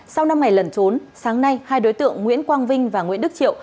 sau năm ngày lẩn trốn sáng nay hai đối tượng nguyễn quang vinh và nguyễn đức triệu